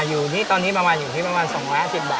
อยู่ที่ประมาณอยู่ที่ประมาณ๒๐๒๐บาท